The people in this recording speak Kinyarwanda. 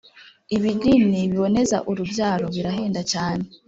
ibinini biboneza urubyaro birahenda cyane